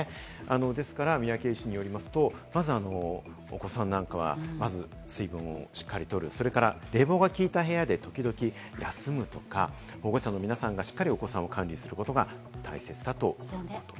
ですから三宅医師によりますと、まずお子さんなんかは、水分をしっかりとる、それから冷房が効いた部屋で時々休むとか、保護者の皆さんがしっかりお子さんを管理することが大切だということです。